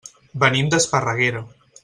Venim d'Esparreguera.